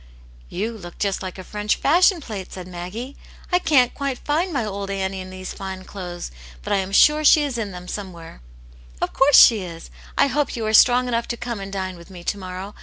"You look just like a French fashion plate," said Maggie ;" I can't quite find my o\d K.\vcv\^ vcv *^^^^ l68 Aunt Janets Hero. fine clothes, but I am sure she is m them some where." " Of course she is. I hope you are strong enough to come and dine with me to morrow.